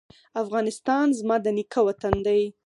افغانستان زما د نیکه وطن دی